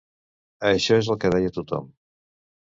Això és el que deia tothom